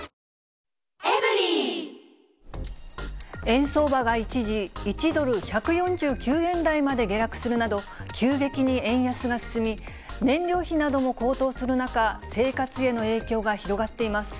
円相場が一時、１ドル１４９円台まで下落するなど、急激に円安が進み、燃料費なども高騰する中、生活への影響が広がっています。